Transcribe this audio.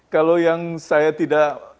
kalau yang saya tidak